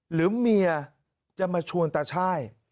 หรือเมียจะมาชวนตาช่าย